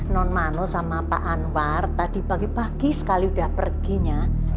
non mano sama pak anwar tadi pagi pagi sekali sudah perginya